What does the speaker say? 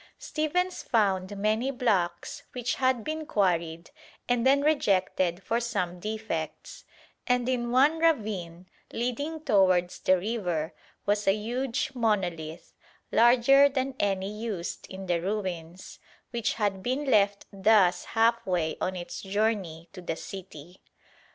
Stephens found many blocks which had been quarried and then rejected for some defects; and in one ravine leading towards the river was a huge monolith, larger than any used in the ruins, which had been left thus half way on its journey to the city.